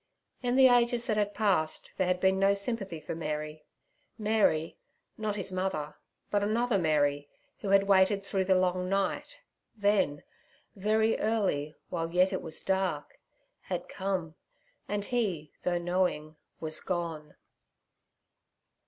In the ages that had passed there had been no sympathy for Mary—Mary, not His mother, but another Mary, who had waited through the long night, then 'very early, while yet it was dark' had come; and He, though knowing, was gone.